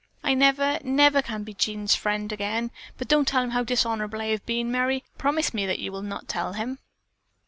"I never, never can be Jean's friend again, but don't tell him how dishonorable I have been, Merry. Promise me that you will not tell him."